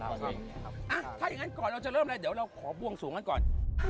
ถ้าอย่างนั้นก่อนเราจะเริ่มอะไรเดี๋ยวเราขอบวงสวงกันก่อน